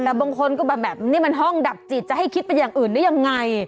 แต่บางคนก็แบบนี่มันห้องดับจิตจะให้คิดเป็นอย่างอื่นได้ยังไง